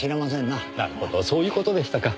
なるほどそういう事でしたか。